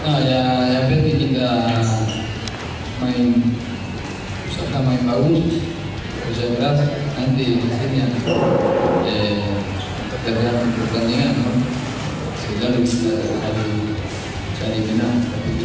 nah ya berarti kita bisa main bagus bisa berat nanti di sini ada pertandingan jadi kita bisa menang